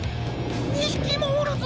２ひきもおるぞ！